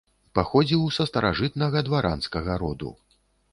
Паходзіў са старажытнага дваранскага роду.